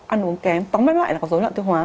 ăn uống kém tóm mất lại là có dối loạn tiêu hóa